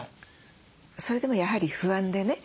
それでもやはり不安でね